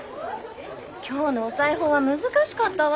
今日のお裁縫は難しかったわ！